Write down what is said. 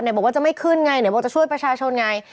บอกว่าจะไม่ขึ้นไงไหนบอกจะช่วยประชาชนไง